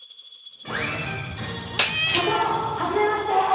所長はじめまして！